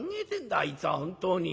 あいつは本当に。